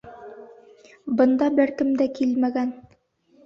Бында бер кем дә килмәгән.